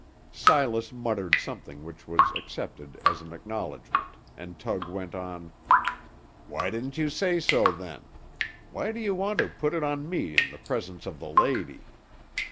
Silas muttered something which was accepted as an acknowledgment, and Tug went on, "Why didn't you say so, then? Why do you want to put it on me in the presence of the lady?